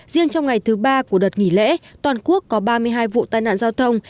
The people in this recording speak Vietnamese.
riêng trong ngày thứ ba của đợt nghỉ lễ toàn quốc có ba mươi hai vụ tai nạn giao thông